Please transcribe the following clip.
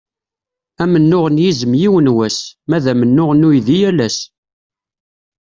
Amennuɣ n yizem yiwen wass, ma d amennuɣ n uydi yal ass.